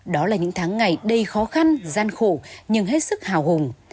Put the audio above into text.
đó là những tháng ngày đầy khó khăn gian khổ nhưng hết sức hào hùng